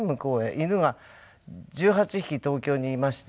犬が１８匹東京にいまして。